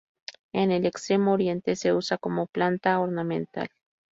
En el Extremo Oriente se usa como planta ornamental.